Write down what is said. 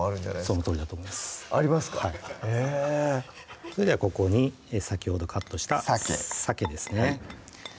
そのとおりだと思いますありますかへぇそれじゃあここに先ほどカットしたさけですね